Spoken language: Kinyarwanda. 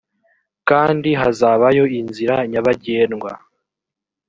kandi hazabayo inzira nyabagendwa